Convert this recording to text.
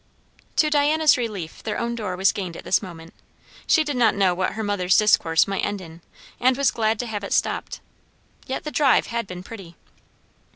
To Diana's relief, their own door was gained at this moment. She did not know what her mother's discourse might end in, and was glad to have it stopped. Yet the drive had been pretty!